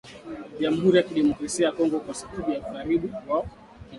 jamhuri ya kidemokrasia ya Kongo kwa sababu ya ukaribu wao kijografia